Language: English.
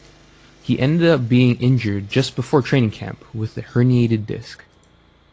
He ended up being injured just before training camp with a herniated disk.